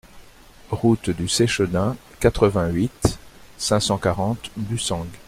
Route du Séchenat, quatre-vingt-huit, cinq cent quarante Bussang